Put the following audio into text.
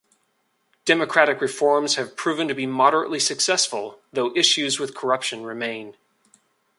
Democratic reforms have proven to be moderately successful, though issues with corruption remain.